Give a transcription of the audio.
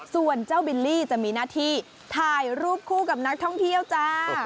ส่วนเจ้าบิลลี่จะมีหน้าที่ถ่ายรูปคู่กับนักท่องเที่ยวจ้า